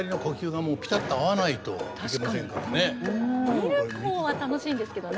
見る方は楽しいんですけどね。